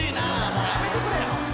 もうやめてくれよ。